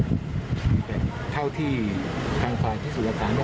แต่เท่าที่ทางความพิสูจน์กระต่างนะครับ